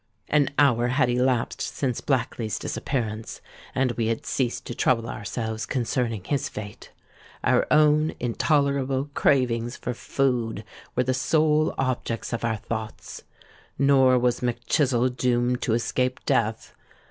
An hour had elapsed since Blackley's disappearance; and we had ceased to trouble ourselves concerning his fate:—our own intolerable cravings for food were the sole objects of our thoughts. Nor was Mac Chizzle doomed to escape death.